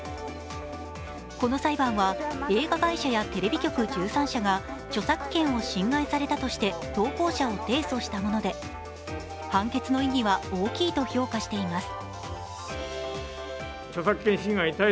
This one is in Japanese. この裁判は映画会社やテレビ局１３社が著作権を侵害されたとして投稿者を提訴したもので、判決の意義は大きいと評価しています。